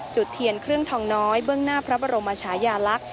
จุดเทียนเครื่องทองน้อยเบื้องหน้าพระบรมชายาลักษณ์